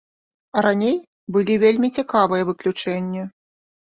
А раней былі вельмі цікавыя выключэнні.